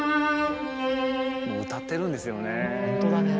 歌ってるんですよね。